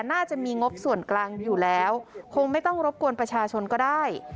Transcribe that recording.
น่าจะมีงบส่วนกลางอยู่แล้วคงไม่ต้องรบกวนประชาชนก็ได้